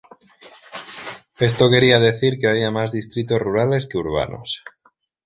Esto quería decir que había más distritos rurales que urbanos.